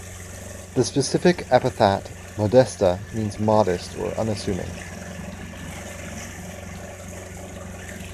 The specific epithet ("modesta") means "modest" or "unassuming".